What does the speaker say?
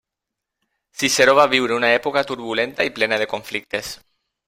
Ciceró va viure una època turbulenta i plena de conflictes.